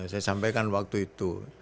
saya sampaikan waktu itu